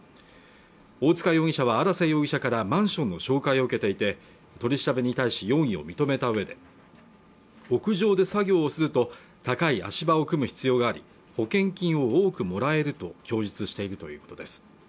大塚容疑者は荒瀬容疑者からマンションの紹介を受けていて取り調べに対し容疑を認めた上で屋上で作業をすると高い足場を組む必要があり保険金を多くもらえると供述しているということです